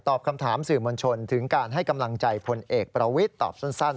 คำถามสื่อมวลชนถึงการให้กำลังใจพลเอกประวิทย์ตอบสั้น